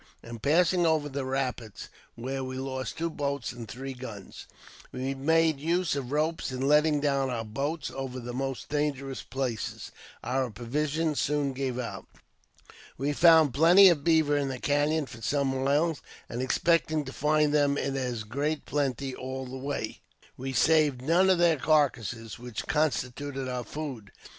In passing over the rapids, where we lost two boats and three guns, we made use of ropes in letting down our boats over the most dangerous places. Our provisions soon gave out. We found plenty of beaver in the cafion for some miles, and, expecting to find them in as great plenty all the way, we saved none of their carcases, which constituted our food.